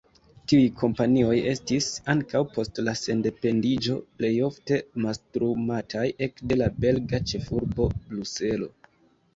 Tiuj kompanioj estis, ankaŭ post la sendependiĝo, plejofte mastrumataj ekde la belga ĉefurbo Bruselo.